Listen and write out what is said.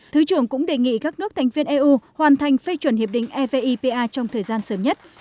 thứ trưởng cũng đề nghị các nước thành viên eu hoàn thành phê chuẩn hiệp định evipa trong thời gian sớm nhất